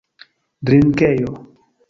drinkejo